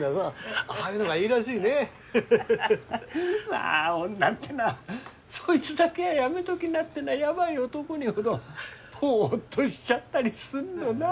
まあ女ってのはそいつだけはやめときなってなヤバい男にほどぽっとしちゃったりすんのな。